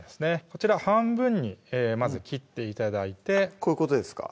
こちら半分にまず切って頂いてこういうことですか？